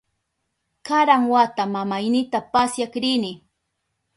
Karan wata mamaynita pasyak rini.